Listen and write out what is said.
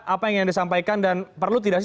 apa yang ingin disampaikan dan perlu tidak sih